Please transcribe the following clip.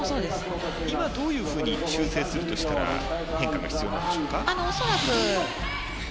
今、どのように修正するとしたら変化が必要なんでしょうか。